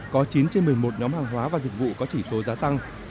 có chín trên một mươi một nhóm hàng hóa và dịch vụ có chỉ số giá tăng